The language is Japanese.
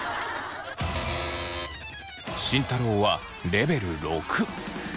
慎太郎はレベル６。